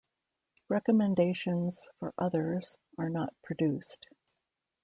Recommendations for others are not produced.